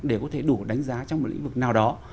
để có thể đủ đánh giá trong một lĩnh vực nào đó